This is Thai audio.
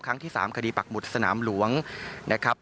ครั้งที่๓คดีปักหมุดสนามหลวงนะครับ